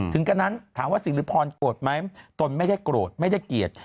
กระนั้นถามว่าสิริพรโกรธไหมตนไม่ได้โกรธไม่ได้เกลียด